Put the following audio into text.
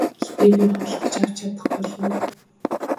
Гэхдээ би худалдаж авч чадах болов уу?